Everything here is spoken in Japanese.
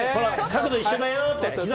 角度一緒だよって。